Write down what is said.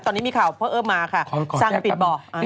ตอนนี้มีข่าวเพิ่มเป็นมาค่ะสร้างบีบบอก